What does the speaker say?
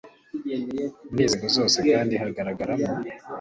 muri izi nzego zose kandi hagaragaramo